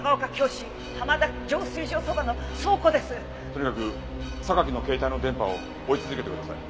とにかく榊の携帯の電波を追い続けてください。